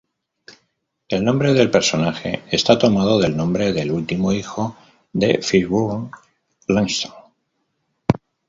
El nombre del personaje está tomado del nombre del último hijo de Fishburne, Langston.